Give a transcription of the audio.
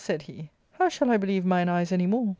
said he, "how shall I believe mine eyes any more?